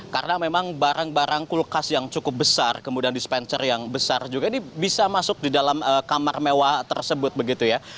karena memang barang barang kulkas yang cukup besar kemudian dispenser yang besar juga ini bisa masuk di dalam kamar mewah tersebut begitu ya